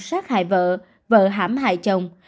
sát hại vợ vợ hãm hại chồng